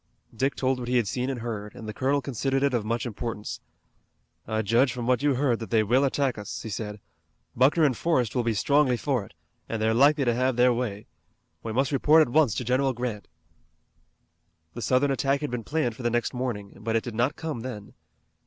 Dick told what he had seen and heard, and the colonel considered it of much importance. "I judge from what you heard that they will attack us," he said. "Buckner and Forrest will be strongly for it, and they're likely to have their way. We must report at once to General Grant." The Southern attack had been planned for the next morning, but it did not come then.